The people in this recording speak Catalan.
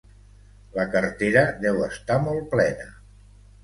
La cartera deu estar molt plena.